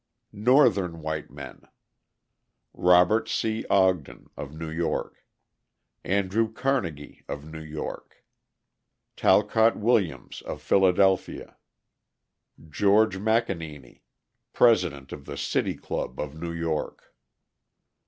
Northern white men: Robert C. Ogden, of New York. Andrew Carnegie, of New York. Talcott Williams, of Philadelphia. George McAneny, president of the City Club of New York.